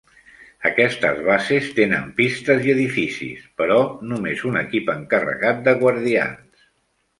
Aquestes bases tenen pistes i edificis, però només un equip encarregat de guardians.